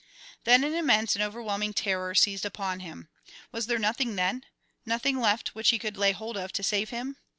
Then an immense and overwhelming terror seized upon him. Was there nothing, then nothing left which he could lay hold of to save him?